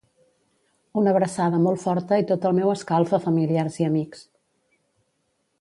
Una abraçada molt forta i tot el meu escalf a familiars i amics.